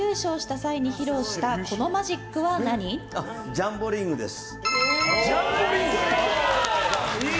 ジャンボリングです。